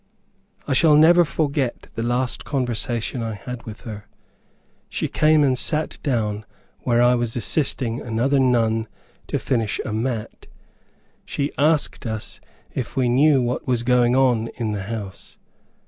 I shall never forget the last conversation I had with her. She came and sat down where I was assisting another nun to finish a mat. She asked us if we knew what was going on in the house.